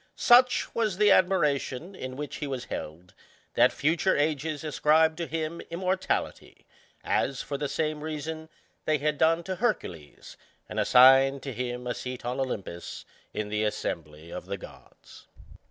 Such was the admiration in which he was held, that future ages ascribed to him immortality, as, for the same reason, they had done to Hercules, and assigned to him a seat on Olympus, in the assembly of the gods.